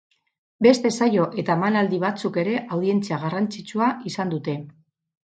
Beste saio eta emanaldi batzuk ere audientzia garrantzitsua izan dute.